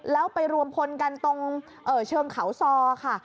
แล้วไปรวมพลกันตรงเชิงเขาซอค่ะ